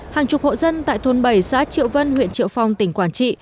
hàng chục hộ dân tại thôn bảy xã triệu vân huyện triệu phong tỉnh quảng trị